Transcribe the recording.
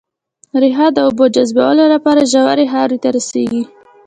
ريښه د اوبو جذبولو لپاره ژورې خاورې ته رسېږي